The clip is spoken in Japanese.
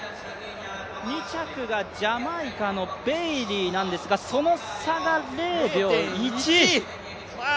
２着がジャマイカのベイリーなんですがその差が０．１！